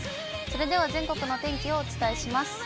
それでは全国のお天気をお伝えします。